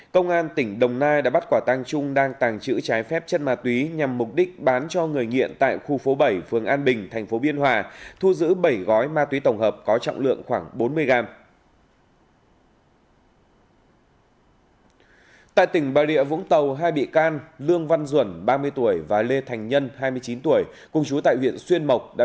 công an tỉnh đồng nai đã bắt tạm giam đối tượng đào thủy trung ba mươi ba tuổi quê tại tỉnh bình thuận để điều tra làm rõ về hành vi mua bạc